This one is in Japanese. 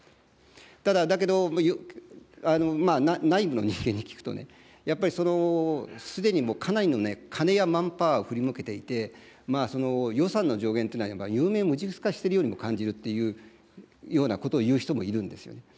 ただ、だけど、内部の人間に聞くと、やっぱり、すでにかなりの金やマンパワーを振り向けていて、その予算の上限というのは有名無実化しているようにも感じるっていうようなことを言う人もいるんですよね。